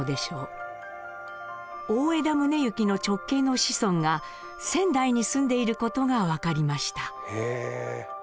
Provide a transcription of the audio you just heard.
大條宗行の直系の子孫が仙台に住んでいる事が分かりました。